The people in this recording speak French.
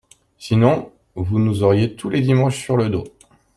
Sinon, vous nous auriez tous les dimanches sur le dos.